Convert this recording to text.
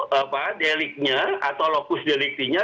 karena deliknya atau lokus deliknya